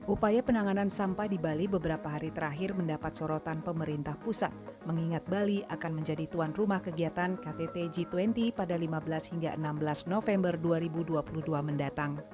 upaya penanganan sampah di bali beberapa hari terakhir mendapat sorotan pemerintah pusat mengingat bali akan menjadi tuan rumah kegiatan ktt g dua puluh pada lima belas hingga enam belas november dua ribu dua puluh dua mendatang